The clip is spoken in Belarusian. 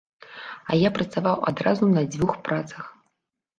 А я працаваў адразу на дзвюх працах.